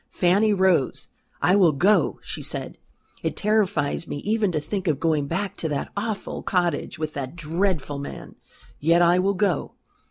Fanny rose. "I will go," she said. "It terrifies me even to think of going back to that awful cottage with that dreadful man. Yet I will go.